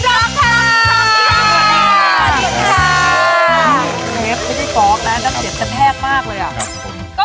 เชฟไม่ใช่กอกนะนักเสียบจะแพ้กอยู่เลยอะ